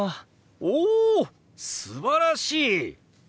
おおすばらしい！